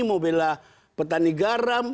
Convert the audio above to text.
mau bela petani garam